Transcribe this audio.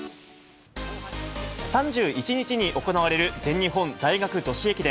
３１日に行われる全日本大学女子駅伝。